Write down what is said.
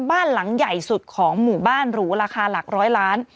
บ้านหลังใหญ่สุดของหมู่บ้านหรูราคาหลักร้อยล้าน